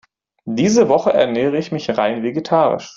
Diese Woche ernähre ich mich rein vegetarisch.